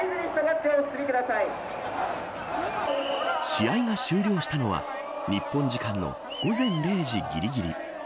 試合が終了したのは日本時間の午前０時ぎりぎり。